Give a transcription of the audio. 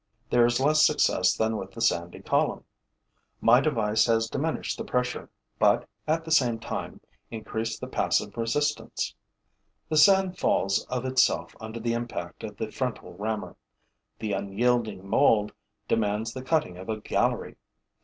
There is less success than with the sandy column. My device has diminished the pressure, but, at the same time, increased the passive resistance. The sand falls of itself under the impact of the frontal rammer; the unyielding mould demands the cutting of a gallery.